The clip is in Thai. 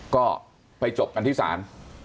ก็ไปจบกันที่ศาล